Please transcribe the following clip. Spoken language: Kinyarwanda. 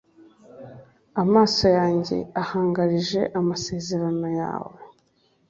amaso yanjye ahangarije amasezerano yawe